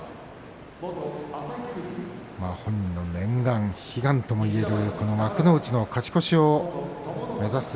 本人の念願、悲願ともいえる幕内の勝ち越しを目指す